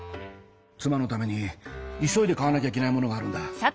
妻のために急いで買わなきゃいけないものがあるんだ。